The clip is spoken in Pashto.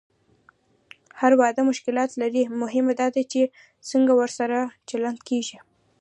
هر واده مشکلات لري، مهمه دا ده چې څنګه ورسره چلند کېږي.